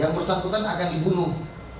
yang bersangkutan akan dibunuh